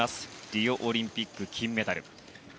リオオリンピック金メダル。